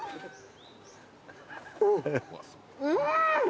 うん！